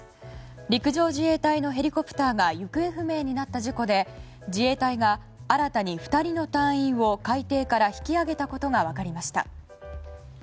陸上自衛隊のヘリコプターが行方不明になった事故で自衛隊が新たに２人の隊員を海底から引き揚げたことが分かりました。